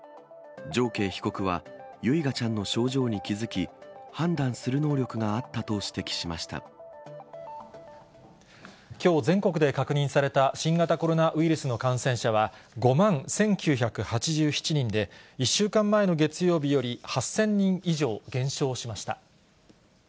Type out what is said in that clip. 常慶被告は唯雅ちゃんの症状に気付き、判断する能力があったと指きょう全国で確認された新型コロナウイルスの感染者は、５万１９８７人で、１週間前の月曜日より８０００人以上減少しました。